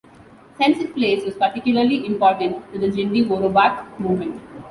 Sense of place was particularly important to the Jindyworobak movement.